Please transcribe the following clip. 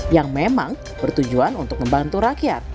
yang memang bertujuan untuk membantu rakyat